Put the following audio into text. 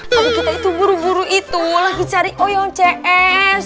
kalau kita itu buru buru itu lagi cari oyong cs